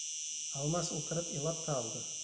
Алмас ултырып илап та алды.